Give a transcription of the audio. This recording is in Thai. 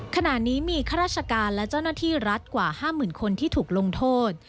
ขณะนี้มีข้าราชการและเจ้าหน้าที่รัฐกว่า๕๐๐๐คนที่ถูกลงโทษ